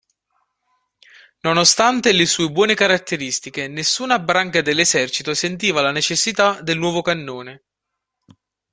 Nonostante le sue buone caratteristiche, nessuna branca dell'esercito sentiva la necessità del nuovo cannone.